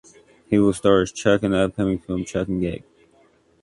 He will star as Chuk in the upcoming film "Chuk and Gek".